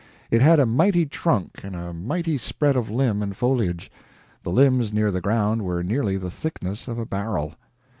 It had a mighty trunk and a mighty spread of limb and foliage. The limbs near the ground were nearly the thickness of a barrel.